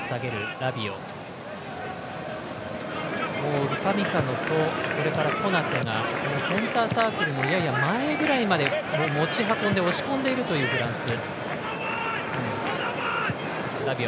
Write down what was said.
ウパミカノとそれからコナテがセンターサークルのやや前ぐらいまで持ち運んで、押し込んでいるというフランス。